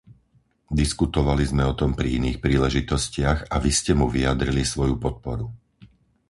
Diskutovali sme o tom pri iných príležitostiach a vy ste mu vyjadrili svoju podporu.